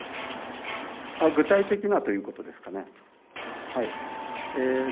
具体的なということですかね。